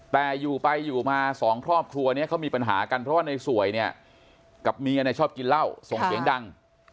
แต่อยู่ไปอยู่มา๒ครอบครัวเขามีปัญหากันเพราะในสวยกับเมียชอบกินเหล้าส่งเสียงดัง